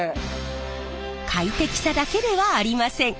快適さだけではありません。